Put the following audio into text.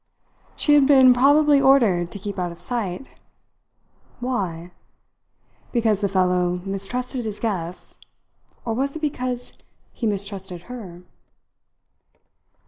She had been probably ordered to keep out of sight. Why? Because the fellow mistrusted his guests; or was it because he mistrusted her?